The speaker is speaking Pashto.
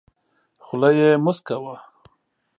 خوله یې موسکه وه .